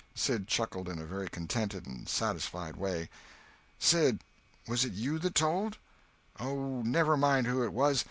Sid chuckled in a very contented and satisfied way. "Sid, was it you that told?" "Oh, never mind who it was.